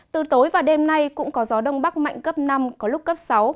từ tối và đêm nay cũng có gió đông bắc mạnh cấp năm có lúc cấp sáu